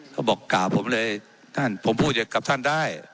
เขาบอกกล่าวผมเลยท่านผมพูดกับท่านได้